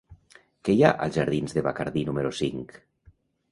Què hi ha als jardins de Bacardí número cinc?